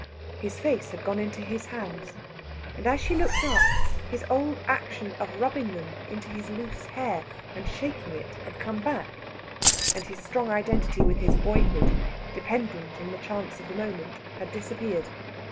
His face had gone into his hands; and as she looked up, his old action of rubbing them into his loose hair, and shaking it, had come back, and his strong identity with his boyhood, dependent on the chance of a moment, had disappeared.